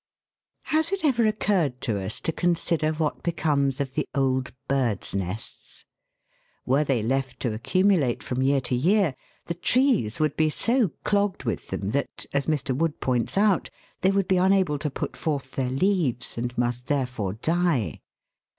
Has it ever occurred to us to consider what becomes of p Fig. 47. THE CLOTHES MOTH. 226 THE WORLD'S LUMBER ROOM. the old birds' nests ? Were they left to accumulate from year to .year, the trees would be so clogged with them that, as Mr. Wood points out, they would be unable to put forth their leaves, and must therefore die.